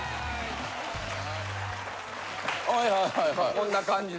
こんな感じで。